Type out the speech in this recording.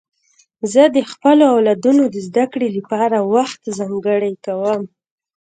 زه د خپلو اولادونو د زدهکړې لپاره وخت ځانګړی کوم.